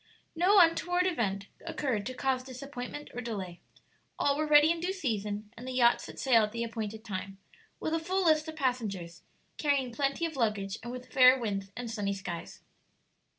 No untoward event occurred to cause disappointment or delay; all were ready in due season, and the yacht set sail at the appointed time, with a full list of passengers, carrying plenty of luggage, and with fair winds and sunny skies.